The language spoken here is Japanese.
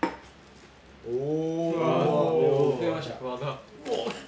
お。